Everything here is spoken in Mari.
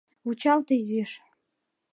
— Вучалте изиш.